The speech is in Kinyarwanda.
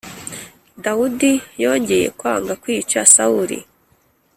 dawudi yongeye kwanga kwica sawuli,